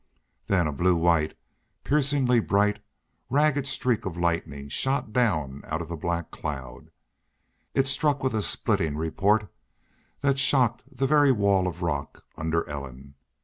Then a blue white, piercingly bright, ragged streak of lightning shot down out of the black cloud. It struck with a splitting report that shocked the very wall of rock under Ellen.